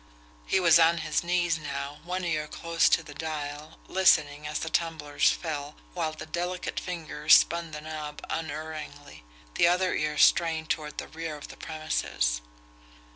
He was on his knees now, one ear close to the dial, listening as the tumblers fell, while the delicate fingers spun the knob unerringly the other ear strained toward the rear of the premises.